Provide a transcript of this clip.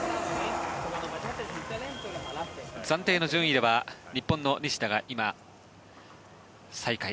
暫定の順位では日本の西田が今、最下位。